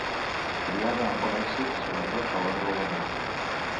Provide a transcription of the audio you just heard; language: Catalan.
Criada amb bon èxit, sobretot a l'hora del vermut.